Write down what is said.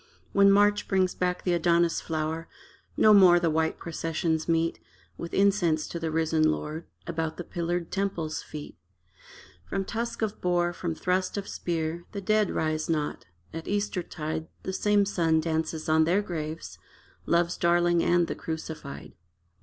When March brings back the Adonis flower No more the white processions meet, With incense to the risen lord, About the pillared temple's feet. From tusk of boar, from thrust of spear The dead rise not. At Eastertide The same sun dances on their graves Love's darling and the Crucified.